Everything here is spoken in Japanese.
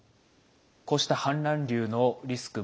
こうした氾濫流のリスク